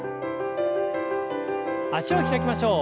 脚を開きましょう。